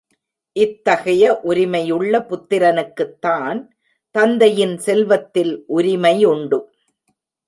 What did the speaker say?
இத்தகைய உரிமையுள்ள புத்திரனுக்குத்தான் தந்தையின் செல்வத்தில் உரிமையுண்டு.